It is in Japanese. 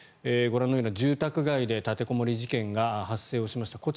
ご覧のような住宅街で立てこもり事件が発生しました。